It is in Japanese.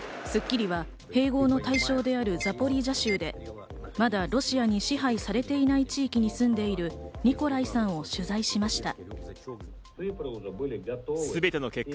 『スッキリ』は併合の対象にあるザポリージャ州でまだロシアに支配されていない地域に住んでいるニコライさんを取材しました。